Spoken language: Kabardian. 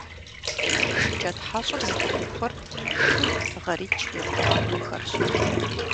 ШыкӀэтхьэщӀыр зытехуэр шыр гъэритӀ щрикъу махуэхэрщ.